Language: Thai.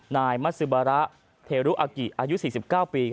นายมัสซิบาระเทรุอากิอายุ๔๙ปี